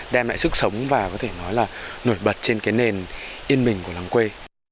đem lại sức sống và có thể nói là nổi bật trên cái nền yên bình của làng quê